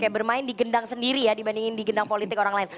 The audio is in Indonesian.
bermain di gendang sendiri ya dibandingin di gendang politik orang lain